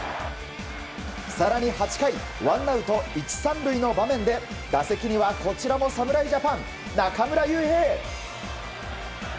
更に８回ワンアウト１、３塁の場面で打席にはこちらも侍ジャパン中村悠平。